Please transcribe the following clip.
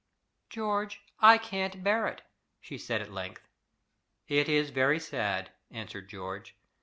"George, I can't bear it!" she said at length. "It is very sad," answered George.